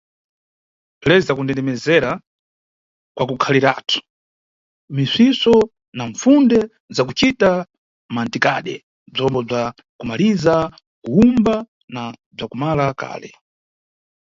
Lezi za kundendemezera kwa kukhaliratu, misvisvo na mpfunde za kucitira mantikade bzombo bza kumaliza kuwumba na bza kumala kale.